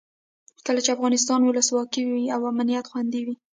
کله چې افغانستان کې ولسواکي وي امنیت خوندي وي.